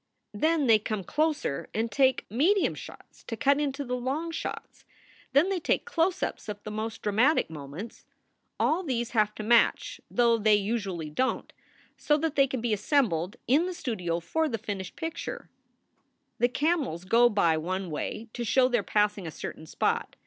Then they come closer and take medium shots to cut into the long shots. Then they take close ups of the most dramatic moments. All these have to match though they usually don t so that they can be assembled in the studio for the finished picture. SOULS FOR SALE 131 "The camels go by one way to show they re passing a certain spot.